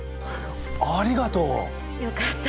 ありがとう！よかったです。